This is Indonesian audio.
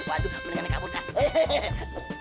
waduh mendingan nek kabur kak